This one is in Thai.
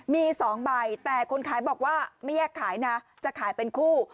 มี๒ใบแต่คนขายบอกว่าไม่แยกขายนะจะขายเป็นคู่